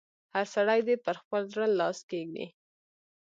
هر سړی دې پر خپل زړه لاس کېږي.